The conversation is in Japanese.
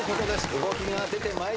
動きが出てまいりました。